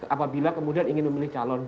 apabila kemudian ingin memilih calon